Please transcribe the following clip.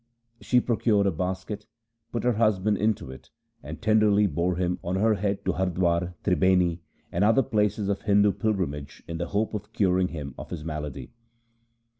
She procured a basket, put her husband into it, and tenderly bore him on her head to Hardwar, Tribeni, and other places of Hindu pilgrimage in the hope of curing him of his malady.